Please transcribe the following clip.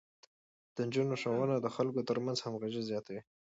د نجونو ښوونه د خلکو ترمنځ همغږي زياتوي.